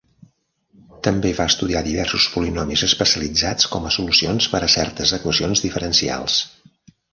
També va estudiar diversos polinomis especialitzats com a solucions per a certes equacions diferencials.